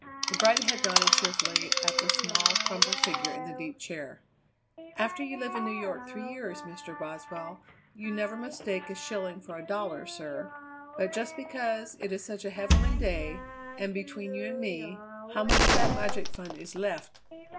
The bright head nodded cheerfully at the small, crumpled figure in the deep chair. "After you live in New York three years, Mr. Boswell, you never mistake a shilling for a dollar, sir. But just because it is such a heavenly day and between you and me, how much of that magic fund is left?"